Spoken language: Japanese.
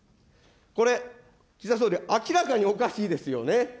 これ、岸田総理、あきらかにおかしいですよね